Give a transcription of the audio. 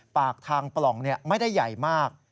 ปากทางปล่องไม่ได้ใหญ่มาก